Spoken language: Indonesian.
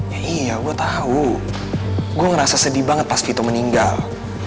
ya iya gue tahu gue ngerasa sedih banget pas vito meninggal